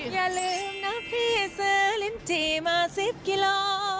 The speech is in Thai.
อย่าลืมนะพี่ซื้อลิ้นจี่มา๑๐กิโล